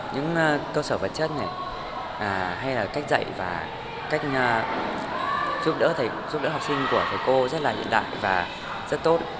những cơ sở vật chất này hay là cách dạy và cách giúp đỡ học sinh của thầy cô rất là hiện đại và rất tốt